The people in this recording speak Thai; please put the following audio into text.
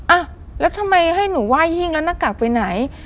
อ่ะแล้วทำไมให้หนูไหว้หิ้งแล้วหน้ากากไปไหน